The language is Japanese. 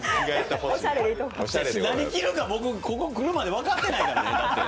何、着るか、僕ここ来るまで分かってないからね。